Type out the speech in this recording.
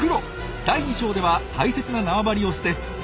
第２章では大切な縄張りを捨てアユが下流へ。